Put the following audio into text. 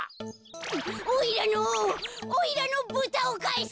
「おいらのおいらのブタをかえせ」。